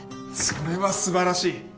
それは素晴らしい！